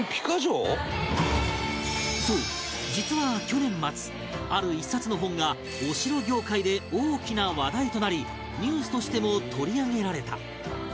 そう実は去年末ある１冊の本がお城業界で大きな話題となりニュースとしても取り上げられた